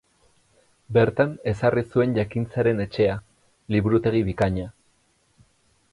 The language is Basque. Bertan ezarri zuen Jakintzaren Etxea, liburutegi bikaina.